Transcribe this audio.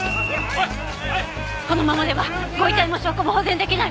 このままではご遺体も証拠も保全出来ないわ。